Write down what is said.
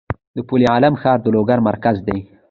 د پل علم ښار د لوګر مرکز دی